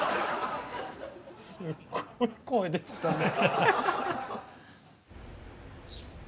すっごい声出てたね。